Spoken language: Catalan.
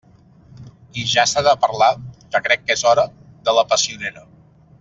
I ja s'ha de parlar —que crec que és hora— de la passionera.